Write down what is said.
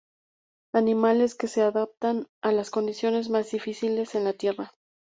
Animales que se adaptan a las condiciones más difíciles en la tierra.